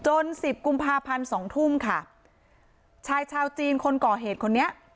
สิบกุมภาพันธ์สองทุ่มค่ะชายชาวจีนคนก่อเหตุคนนี้